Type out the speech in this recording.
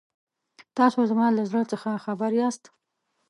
تاسو زما له زړه څخه خبر یاست.